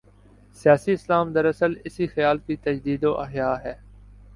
'سیاسی اسلام‘ دراصل اسی خیال کی تجدید و احیا ہے۔